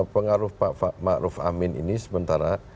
pengaruh pak ma'ruf amin ini sementara